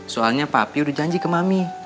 soalnya papi udah janji ke mami